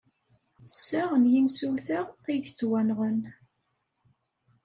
Sa n yimsulta ay yettwenɣen.